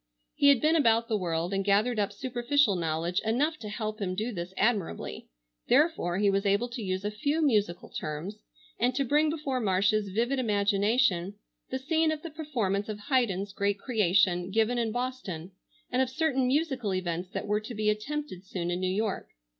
He had been about the world and gathered up superficial knowledge enough to help him do this admirably, therefore he was able to use a few musical terms, and to bring before Marcia's vivid imagination the scene of the performance of Handel's great "Creation" given in Boston, and of certain musical events that were to be attempted soon in New York.